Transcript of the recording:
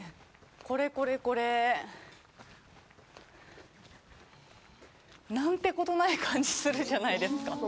これ、これ、これ。なんてことない感じするじゃないですか。